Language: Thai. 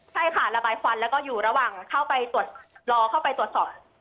ใช่ค่ะระบายควันแล้วก็อยู่ระหว่างรอเข้าไปตรวจสอบ